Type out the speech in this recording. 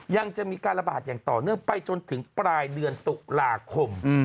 ยังจะมีการระบาดอย่างต่อเนื่องไปจนถึงปลายเดือนตุลาคม